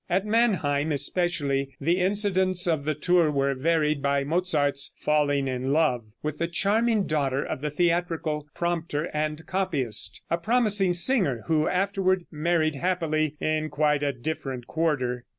At Mannheim, especially, the incidents of the tour were varied by Mozart's falling in love with the charming daughter of the theatrical prompter and copyist, a promising singer, who afterward married happily in quite a different quarter.